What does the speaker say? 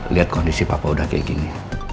lihat kondisi papua udah kayak gini